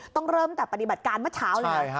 ต้องเริ่มแต่ปฏิบัติการเมื่อเช้าแล้ว